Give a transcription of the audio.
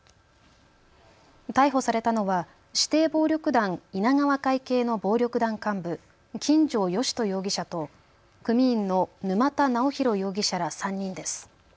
逮捕されたのは指定暴力団稲川会系の暴力団幹部、金城嘉人容疑者と組員の沼田尚裕容疑者ら３人です。